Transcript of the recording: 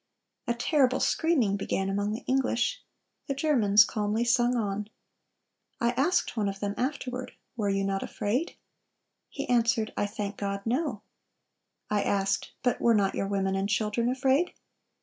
A terrible screaming began among the English. The Germans calmly sung on. I asked one of them afterward, 'Were you not afraid?' He answered, 'I thank God, no,' I asked, 'But were not your women and children afraid?